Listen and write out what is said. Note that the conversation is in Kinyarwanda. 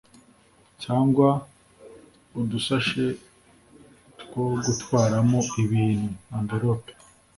cyangwa udusashe two gutwaramo ibintu(envelopes)